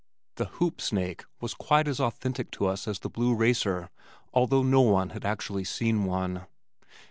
The "hoop snake" was quite as authentic to us as the blue racer, although no one had actually seen one.